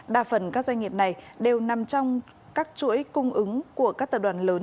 đa phần các doanh nghiệp này đều nằm trong các chuỗi cung ứng của các tập đoàn lớn